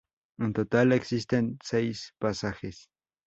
En total existen seis pasajes.